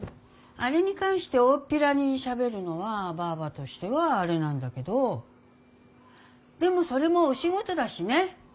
アレに関しておおっぴらにしゃべるのはバァバとしてはアレなんだけどでもそれもお仕事だしね。